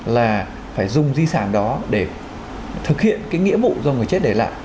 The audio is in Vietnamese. là phải dùng di sản đó để thực hiện cái nghĩa vụ do người chết để lại